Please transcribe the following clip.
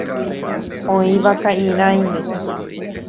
Oĩva ka'irãime.